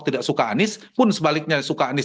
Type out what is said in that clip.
tidak suka anies pun sebaliknya suka anies